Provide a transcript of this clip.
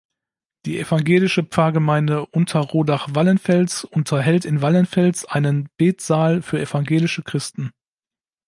Die evangelische Pfarrgemeinde Unterrodach-Wallenfels unterhält in Wallenfels einen Betsaal für evangelische Christen.